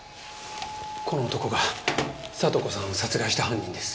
この男が聡子さんを殺害した犯人です。